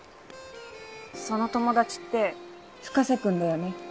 その友達って深瀬君だよね？